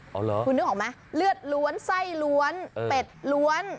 อ๋อเหรอคุณนึกออกไหมเลือดล้วนไส้ล้วนเป็ดล้วน